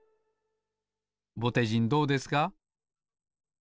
ぼてじんどうですか？